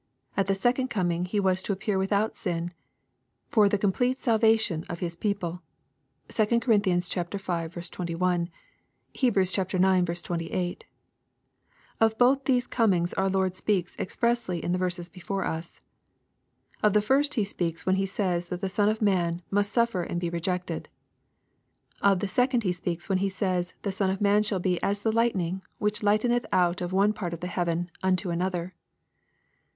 At the second coming He was to appear without sin, lor the complete salvation of His people. (2 Cor. v. 21 ; Heb. ix. 28.) Of both these comings our Lord speaks expressly in the verses before us. Of the first He speats when He says that the Son of Man " must suffer and be rtgected." Of the second He speaks when He says the Son of Man shall be as the lightning which lighteneth out of one part of heaven unto another.